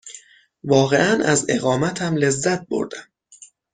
واقعاً از اقامتم لذت بردم.